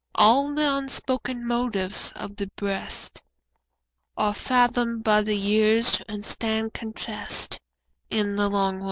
All the unspoken motives of the breast Are fathomed by the years and stand confess'd In the long run.